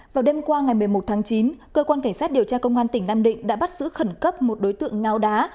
vào đêm qua ngày một mươi một tháng chín cơ quan cảnh sát điều tra công an tỉnh nam định đã bắt giữ khẩn cấp một đối tượng ngáo đá